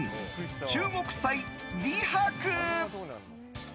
中國菜李白。